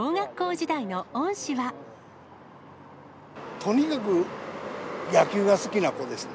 とにかく野球が好きな子ですね。